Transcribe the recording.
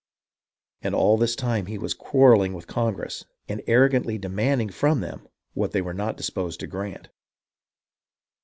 And all this time he was quarrelling with Congress, and arrogantly demanding from them what they were not disposed to grant.